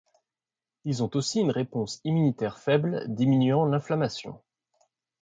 Ils ont aussi une réponse immunitaire faible, diminuant l'inflammation.